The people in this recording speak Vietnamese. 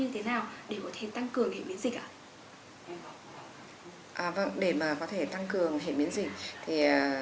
có thêm những giải pháp như thế nào để có thể tăng cường hệ miễn dịch ạ